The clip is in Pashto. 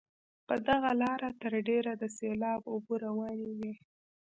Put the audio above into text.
په دغه لاره تر ډېره د سیلاب اوبه روانې وي.